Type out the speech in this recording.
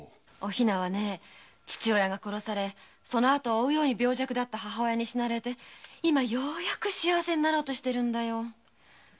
お比奈は父親が殺されその後を追うように病弱な母親に死なれ今ようやく幸せになろうとしてるんだよ。